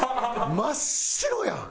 真っ白やん。